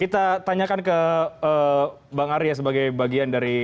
kita tanyakan ke bang arya sebagai bagian dari tim ini ya